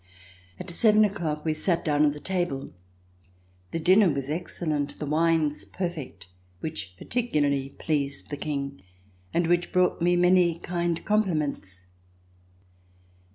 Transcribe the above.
At seven o'clock we sat down at the table. The dinner was excellent, the wines perfect, which particularly pleased the King, and which brought me many kind compliments.